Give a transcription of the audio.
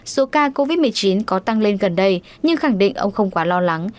số ca covid một mươi chín có tăng lên gần đây nhưng khẳng định ông không quá lo lắng